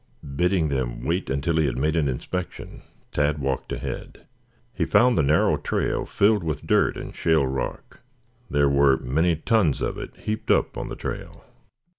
Bidding them wait until he made an inspection, Tad walked ahead. He found the narrow trail filled with dirt and shale rock; there were many tons of it heaped up on the trail.